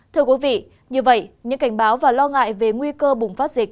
thưa quý vị như vậy những cảnh báo và lo ngại về nguy cơ bùng phát dịch